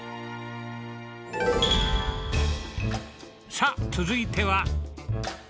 さあ続いては。